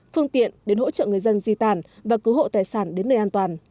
phương tiện đến hỗ trợ người dân di tản và cứu hộ tài sản đến nơi an toàn